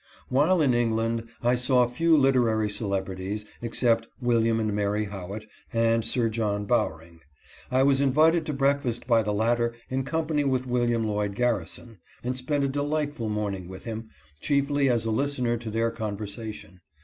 While in England, I saw few literary celebrities, except William and Mary Howitt, and Sir John Bowering. I was invited to breakfast by the latter in company with Wm. Lloyd Garrison, and spent a delightful morning with him, chiefly as a listener to their conversation.